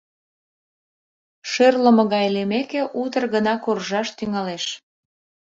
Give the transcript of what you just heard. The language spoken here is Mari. Шӧрлымӧ гай лиймеке, утыр гына коржаш тӱҥалеш.